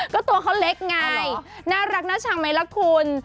ก็ตัวเขาเล็กไงน่ารักน่าชังไหมล่ะคุณ